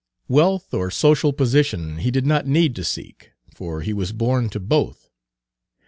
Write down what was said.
Wealth or social position he did not need to seek, for he was born to both.